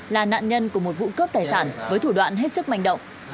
là nạn nhân của một vụ cướp tài sản với thủ đoạn hết sức manh động